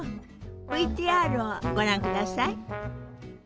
ＶＴＲをご覧ください。